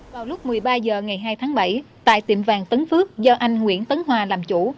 vào lúc một mươi ba h ngày hai tháng bảy tại tiệm vàng tấn phước do anh nguyễn tấn hòa làm chủ